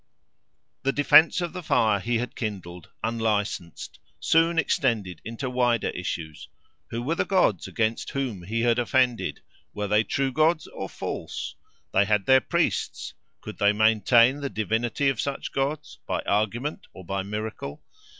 The defence of the fire he had kindled, unlicensed, soon extended into wider issues. Who were the gods against whom he had offended? Were they true gods or false? They had their priests: could they maintain the divinity of such gods, by argument, or by miracle?